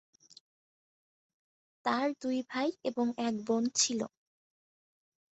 তার দুই ভাই এবং এক বোন ছিল।